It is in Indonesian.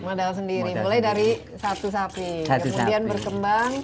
model sendiri mulai dari satu sapi kemudian berkembang